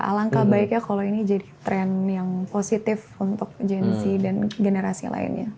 alangkah baiknya kalau ini jadi tren yang positif untuk gen z dan generasi lainnya